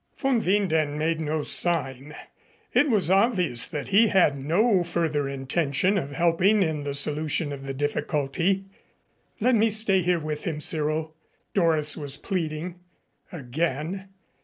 Von Winden made no sign. It was obvious that he had no further intention of helping in the solution of the difficulty. "Let me stay here with him, Cyril," Doris was pleading again.